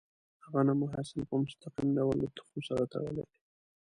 د غنمو حاصل په مستقیم ډول له تخم سره تړلی دی.